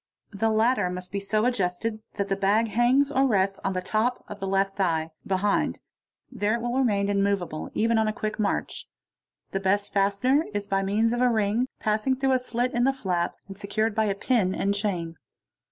The latter must be so adjustec that the bag hangs or rests on the top of the left thigh, behind; there 11 will remain immoveable, even on a quick march. The best fastener i by means of a ring passing through a slit in the flap, and secured by pit and chain.